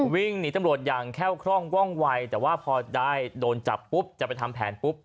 วิ่งหนีตำรวจอย่างแค้วคร่องว่องวัยแต่ว่าพอได้โดนจับปุ๊บจะไปทำแผนปุ๊บ